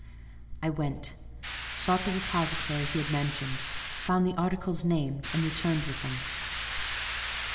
I went; sought the repository he had mentioned, found the articles named, and returned with them.